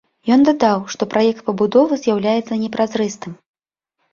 Ён дадаў, што праект пабудовы з'яўляецца непразрыстым.